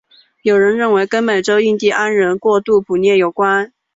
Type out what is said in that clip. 有人认为跟美洲印第安人过度捕猎有关。